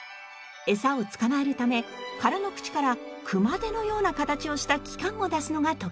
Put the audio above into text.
エサを捕まえるため殻の口から熊手のような形をした器官を出すのが特徴です。